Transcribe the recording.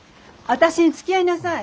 私につきあいなさい。